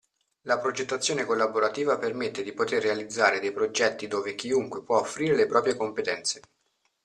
La progettazione collaborativa permette di poter realizzare dei progetti dove chiunque può offrire le proprie competenze.